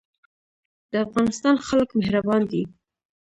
د افغانستان خلک مهربان دي